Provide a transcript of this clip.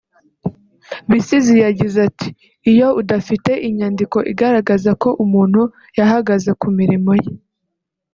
Bisizi yagize ati “Iyo udafite inyandiko igaragaza ko umuntu yahagaze ku mirimo ye